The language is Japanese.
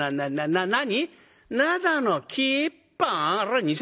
「な何？